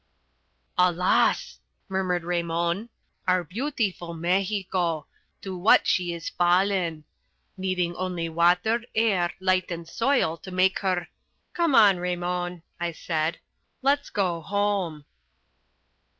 "Alas!" murmured Raymon. "Our beautiful Mexico. To what is she fallen! Needing only water, air, light and soil to make her " "Come on, Raymon," I said, "let's go home."